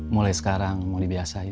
mulai sekarang mau dibiasain